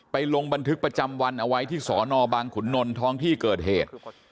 ลงบันทึกประจำวันเอาไว้ที่สอนอบางขุนนลท้องที่เกิดเหตุ